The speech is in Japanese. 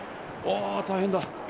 あ、大変だ。